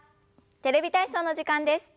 「テレビ体操」の時間です。